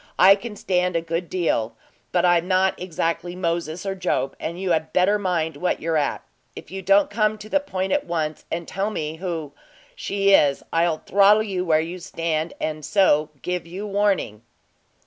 I can stand a good deal, but I'm not exactly Moses or Job, and you had better mind what you're at. If you don't come to the point at once, and tell me who I she is, I'll throttle you where you stand; and so give you warning."